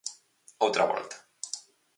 Outra volta.